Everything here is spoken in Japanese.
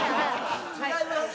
違います。